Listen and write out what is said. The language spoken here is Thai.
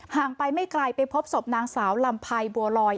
ห่างไปไม่ไกลไปพบสมนางสาวลำพัยบัวรอย